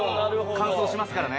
乾燥しますからね。